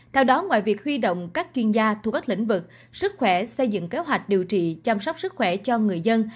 theo đó ngoài việc huy động các chuyên gia thu các lĩnh vực sức khỏe xây dựng kế hoạch điều trị chăm sóc sức khỏe cho người dân